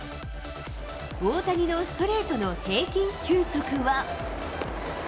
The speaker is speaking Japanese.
大谷のストレートの平均球速は。